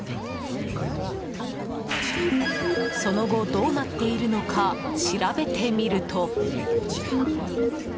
その後、どうなっているのか調べてみると。